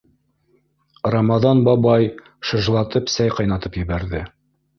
Рамаҙан бабай шыжлатып сәй ҡайнатып ебәрҙе.